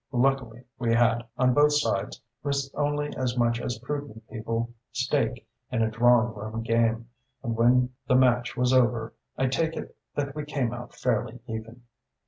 Luckily we had, on both sides, risked only as much as prudent people stake in a drawingroom game; and when the match was over I take it that we came out fairly even.